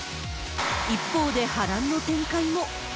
一方で、波乱の展開も。